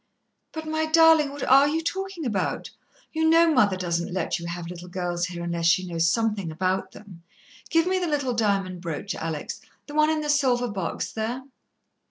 "But, my darling, what are you talkin' about? You know mother doesn't let you have little girls here unless she knows somethin' about them. Give me the little diamond brooch, Alex; the one in the silver box there."